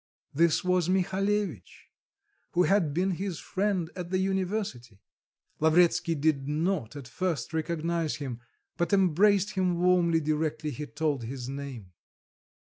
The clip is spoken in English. This was Mihalevitch, who had been his friend at the university. Lavretsky did not at first recognise him, but embraced him warmly directly he told his name.